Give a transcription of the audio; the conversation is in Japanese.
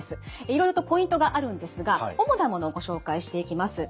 いろいろとポイントがあるんですが主なものをご紹介していきます。